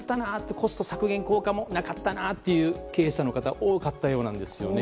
コスト削減効果もなかったなという経営者の方が多かったようなんですよね。